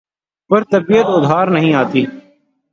پر طبیعت ادھر نہیں آتی